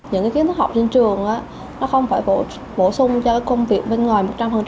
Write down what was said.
những kiến thức học trên trường nó không phải bổ sung cho công việc bên ngoài một trăm linh